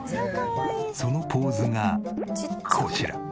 そのポーズがこちら。